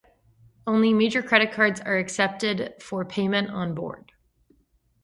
Only major credit cards are accepted for payment on board.